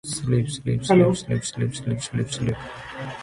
There have been Hungarian and German theater productions of scenes from the book.